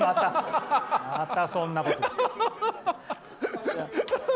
またそんなこと言う。